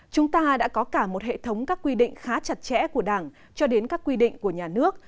chúng ta đã có cả một hệ thống các quy định khá chặt chẽ của đảng cho đến các quy định của nhà nước